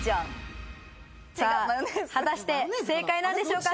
果たして正解なんでしょうか？